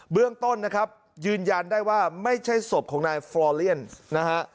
เรื่องต้นนะครับยืนยันได้ว่าไม่ใช่ศพของนายฟรอเลียนนะฮะ